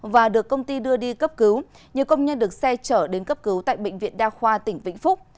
và được công ty đưa đi cấp cứu nhiều công nhân được xe chở đến cấp cứu tại bệnh viện đa khoa tỉnh vĩnh phúc